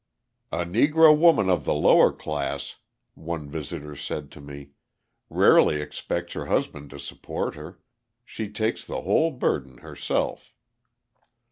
"A Negro woman of the lower class," one visitor said to me, "rarely expects her husband to support her. She takes the whole burden herself."